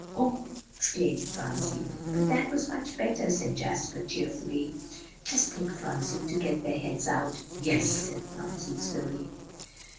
"Oh!" exclaimed Phronsie. "But that was much better," said Jasper cheerfully. "Just think, Phronsie, to get their heads out." "Yes," said Phronsie slowly.